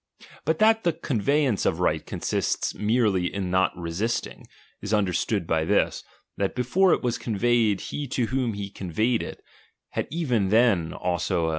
But that the con veyance of right consists merely in not resisting, is understood by this, that before it was conveyed, he to whom he conveyed it, bad even then also a VOL.